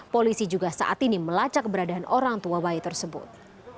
polisi juga saat ini melacak keberadaan orang tua bayi tersebut